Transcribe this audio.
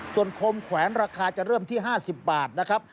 ส่วนคมแขวนราคาจะเริ่มที่๕๐บาทนะครับ